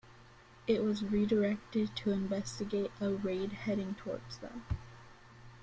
It was redirected to investigate a raid heading towards them.